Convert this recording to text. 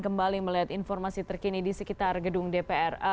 kembali melihat informasi terkini di sekitar gedung dpr